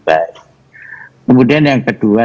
baik kemudian yang kedua